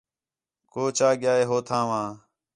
کو چا ڳیا ہِے ہو تھاں وا